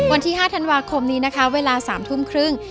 วันที่๕ธันวาคมนี้นะคะเวลา๓ทุ่มครึ่ง